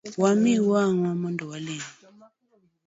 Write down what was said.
Wa mi wangwa mondo wa lem.